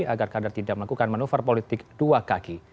agar kader tidak melakukan manuver politik dua kaki